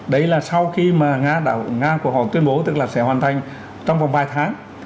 đấy là sau khi mà nga của họ tuyên bố tức là sẽ hoàn thành trong vòng vài tháng